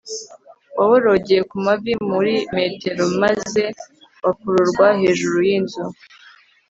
waborogeye ku mavi muri metero maze bakururwa hejuru y'inzu